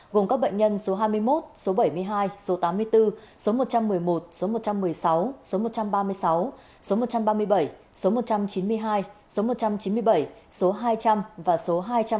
gồm các bệnh nhân số hai mươi một số bảy mươi hai số tám mươi bốn số một trăm một mươi một số một trăm một mươi sáu số một trăm ba mươi sáu số một trăm ba mươi bảy số một trăm chín mươi hai số một trăm chín mươi bảy số hai trăm linh và số hai trăm ba mươi